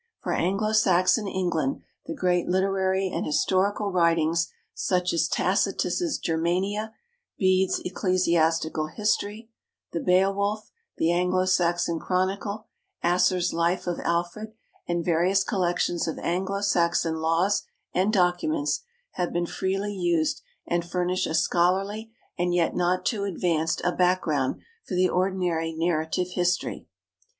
For Anglo Saxon England the great literary and historical writings such as Tacitus' "Germania," Bede's "Ecclesiastical History," the "Beowulf," the "Anglo Saxon Chronicle," Asser's "Life of Alfred," and various collections of Anglo Saxon laws and documents, have been freely used and furnish a scholarly and yet not too advanced a background for the ordinary narrative history.